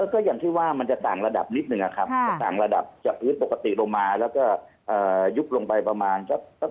ก็อย่างที่ว่ามันจะต่างระดับนิดหนึ่งครับจะต่างระดับจากพื้นปกติลงมาแล้วยุบลงไปแปลกสัก๒๓เซน